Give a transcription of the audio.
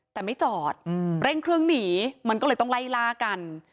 แต่ไม่จอดเร่งเครื่องหนีมันก็เลยต้องไล่ล่ากัน